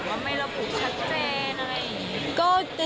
ทำไมถึงยังไม่ระบุชัดเจนอะไรอย่างนี้